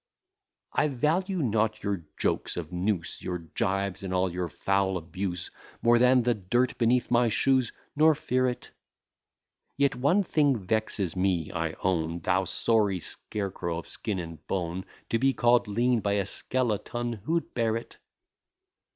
I value not your jokes of noose, Your gibes and all your foul abuse, More than the dirt beneath my shoes, nor fear it. Yet one thing vexes me, I own, Thou sorry scarecrow of skin and bone; To be called lean by a skeleton, who'd bear it?